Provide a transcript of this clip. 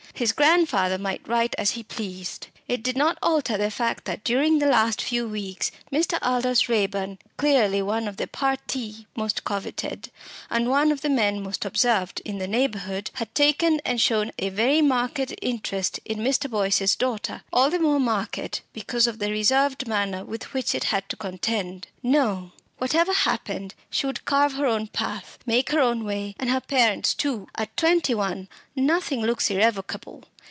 His grandfather might write what he pleased. It did not alter the fact that during the last few weeks Mr. Aldous Raeburn, clearly one of the partis most coveted, and one of the men most observed, in the neighbourhood, had taken and shown a very marked interest in Mr. Boyce's daughter all the more marked because of the reserved manner with which it had to contend. No! whatever happened, she would carve her path, make her own way, and her parents' too. At twenty one, nothing looks irrevocable.